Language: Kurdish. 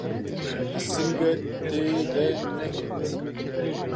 -- Pisingek tê de nebit?